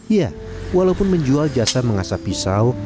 iya walaupun menjual jasa mengasap pisau